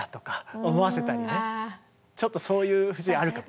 ちょっとそういう節あるかも。